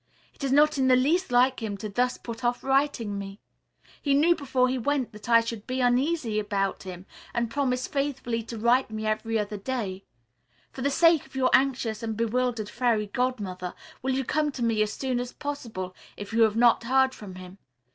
It is not in the least like him to thus put off writing me. He knew before he went that I should be uneasy about him, and promised faithfully to write me every other day. For the sake of your anxious and bewildered Fairy Godmother, will you come to me as soon as possible, if you have not heard from him?